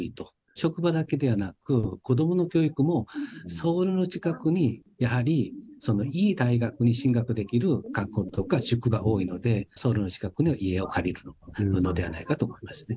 職場だけではなく、子どもの教育も、ソウルの近くにやはりいい大学に進学できる学校とか塾が多いので、ソウルの近くに家を借りるというのではないかと思いますね。